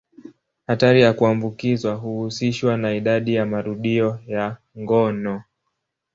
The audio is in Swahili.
Hatari ya kuambukizwa huhusishwa na idadi ya marudio ya ngono.